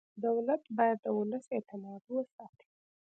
دولت باید د ولس اعتماد وساتي.